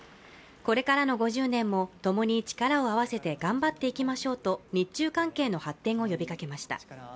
これからの５０年も共に力を合わせて頑張っていきましょうと日中関係の発展を呼びかけました。